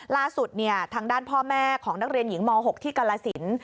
ล่าสุดทางด้านพ่อแม่ของนักเรียนหญิงม๖ที่กรสิน